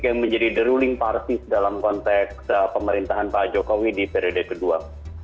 yang menjadi deruling partis dalam konteks pemerintahan pak jokowi di periode kedua